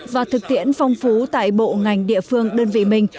và thực tiễn phong phú tại bộ ngành địa phương đơn vị mình